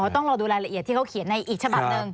ต้องรอดูรายละเอียดที่เขาเขียนในอีกฉบับหนึ่ง